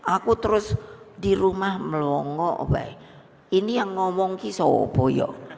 aku terus di rumah melongo weh ini yang ngomong kisau boyo